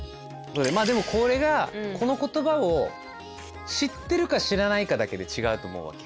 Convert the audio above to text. まあでもこれがこの言葉を知ってるか知らないかだけで違うと思うわけ。